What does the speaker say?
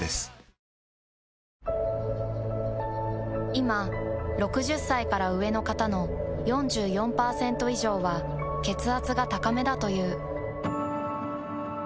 いま６０歳から上の方の４４％以上は血圧が高めだという。